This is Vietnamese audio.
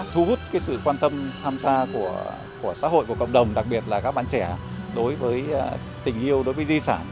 thu hút sự quan tâm tham gia của xã hội của cộng đồng đặc biệt là các bạn trẻ đối với tình yêu đối với di sản